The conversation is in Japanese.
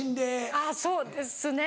あぁそうですね